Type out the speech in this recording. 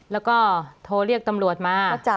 แล้วก็โทรเรียกตำรวจมาจับ